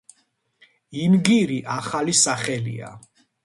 ინგირი ახალი სახელია.